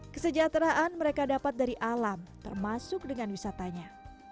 kesejahteraan mereka dapat dari alam termasuk dengan wisatanya